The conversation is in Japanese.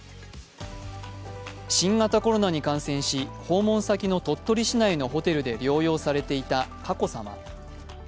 新型コロナに感染し、訪問先の鳥取市内のホテルで療養されていた佳子さま。